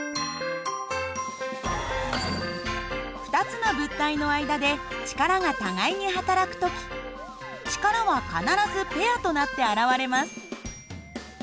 ２つの物体の間で力が互いにはたらく時力は必ずペアとなって現れます。